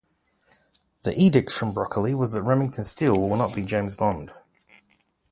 The edict from Broccoli was that "Remington Steele" will not be James Bond.